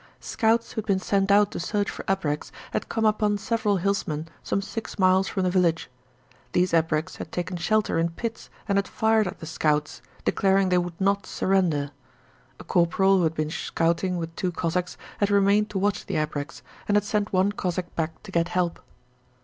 Scouts who had been sent out to search for abreks had come upon several hillsmen some six miles from the village. These abreks had taken shelter in pits and had fired at the scouts, declaring they would not surrender. A corporal who had been scouting with two Cossacks had remained to watch the abreks, and had sent one Cossack back to get help.